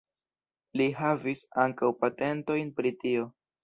Li havis ankaŭ patentojn pri tio.